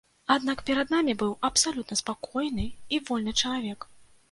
Аднак перад намі быў абсалютна спакойны і вольны чалавек.